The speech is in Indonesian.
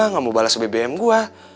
nggak mau bales bbm gue